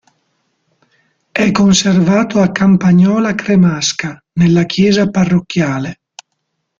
È conservato a Campagnola Cremasca, nella chiesa parrocchiale.